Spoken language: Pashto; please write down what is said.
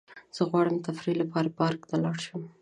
زه غواړم تفریح لپاره پارک ته لاړ شم.